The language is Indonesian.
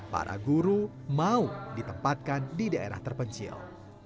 para guru mau ditempatkan di daerah terpencil